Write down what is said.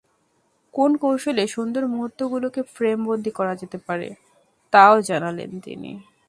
কোন কৌশলে সুন্দর মুহূর্তগুলোকে ফ্রেমবন্দী করা যেতে পারে, তা-ও জানালেন তিনি।